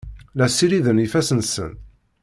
La ssiriden ifassen-nsen.